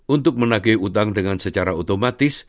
untuk menagih hutang dengan secara otomatis